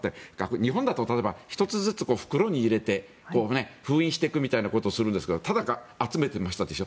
日本だと、例えば１つずつ袋に入れて封印していくということですがただ、集めてましたでしょ。